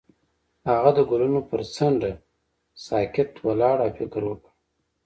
هغه د ګلونه پر څنډه ساکت ولاړ او فکر وکړ.